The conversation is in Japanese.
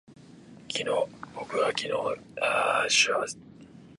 僕の隣には綺麗に包装された小包がある。昨日買ったプレゼントだ。